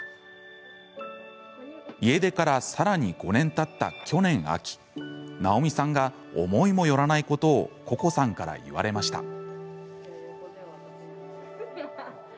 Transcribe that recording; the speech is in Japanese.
家出から、さらに５年たった去年秋、なおみさんが思いもよらないことをここさんから言われました。